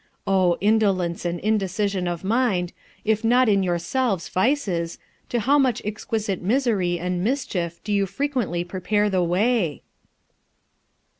O, indolence and indecision of mind, if not in yourselves vices to how much exquisite misery and mischief do you frequently prepare the way!'